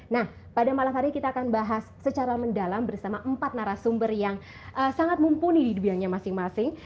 nah pada malam hari ini kita akan bahas secara mendalam bersama empat narasumber yang sangat mumpuni di dunianya masing masing